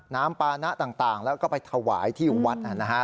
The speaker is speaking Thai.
ปานะต่างแล้วก็ไปถวายที่วัดนะฮะ